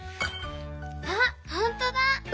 あほんとだ！